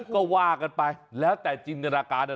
ก็ว่ากันไปแล้วแต่จินตนาการนะ